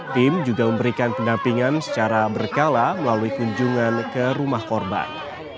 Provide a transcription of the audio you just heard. tim juga memberikan pendampingan secara berkala melalui kunjungan ke rumah korban